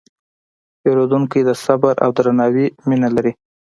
پیرودونکی د صبر او درناوي مینه لري.